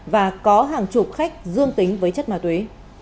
và có hàng chục khách dương tính với chất ma túy